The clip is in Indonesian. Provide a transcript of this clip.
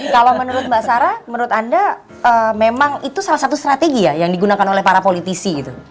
kalau menurut mbak sarah menurut anda memang itu salah satu strategi ya yang digunakan oleh para politisi gitu